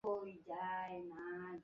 তিনি হাদিস নিয়েই আগ্রহী হয়ে পড়েন।